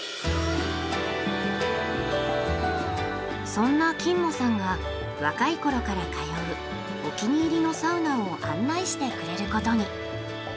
そんなキンモさんが若い頃から通うお気に入りのサウナを案内してくれることに。